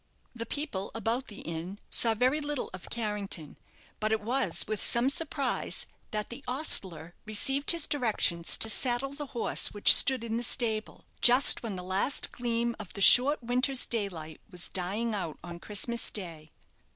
The people about the inn saw very little of Carrington, but it was with some surprise that the ostler received his directions to saddle the horse which stood in the stable, just when the last gleam of the short winter's daylight was dying out on Christmas day.